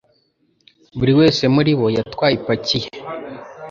Buri wese muri bo yatwaye ipaki ye.